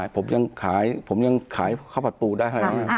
ผมยังขายข้าวผัดปูได้